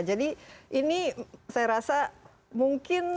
jadi ini saya rasa mungkin